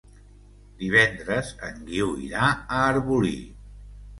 Divendres en Guiu irà a Arbolí.